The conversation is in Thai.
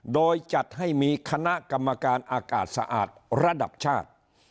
โดยจัดให้มีคณะกรรมการอากาศสะอาดระดับชาติ